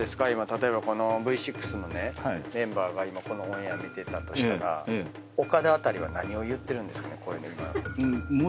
例えばＶ６のメンバーがこのオンエア見てたとしたら岡田あたりは何を言ってるんですかね？